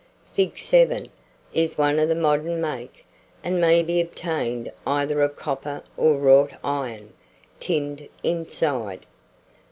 Fig. 7 is one of modern make, and may be obtained either of copper or wrought iron, tinned inside.